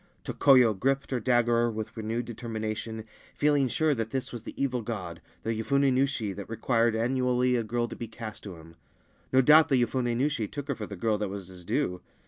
Tokoyo gripped her dagger with renewed determination, feeling sure that this was the evil god, the Yofune Nushi that required annually a girl to be cast to him. No doubt the Yofun6 Nushi took her for the girl that was his due.